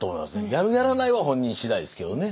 やるやらないは本人次第ですけどね。